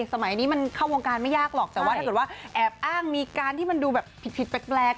สมัยนี้มันเข้าวงการไม่ยากหรอกแต่ว่าถ้าเกิดว่าแอบอ้างมีการที่มันดูแบบผิดแปลก